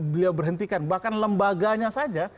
beliau berhentikan bahkan lembaganya saja